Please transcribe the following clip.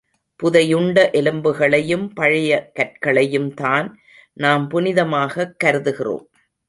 புதையுண்ட எலும்புகளையும் பழைய கற்களையும்தான் நாம் புனிதமாகக் கருதுகிறோம்.